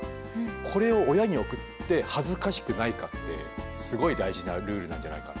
これを親に送って恥ずかしくないかってすごい大事なルールなんじゃないか。